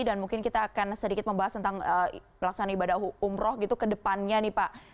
dan mungkin kita akan sedikit membahas tentang pelaksanaan ibadah umroh gitu ke depannya nih pak